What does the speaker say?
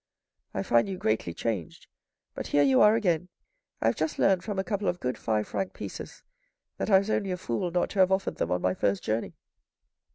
" I find you greatly changed, but here you are again. I have just learned from a couple of good five franc pieces that I was only a fool not to have offered them on my first journey."